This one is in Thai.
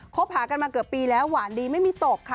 หากันมาเกือบปีแล้วหวานดีไม่มีตกค่ะ